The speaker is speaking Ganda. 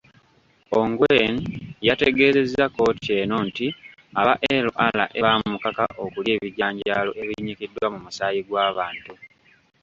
Ongwen yategeeza kkooti eno nti aba LRA baamukaka okulya ebijanjaalo ebinyikiddwa mu musaayi gw'abantu.